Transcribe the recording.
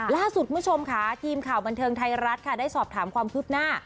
ล่าสุดคุณผู้ชมค่ะทีมข่าวบันเทิงไทยรัฐค่ะได้สอบถามความคืบหน้า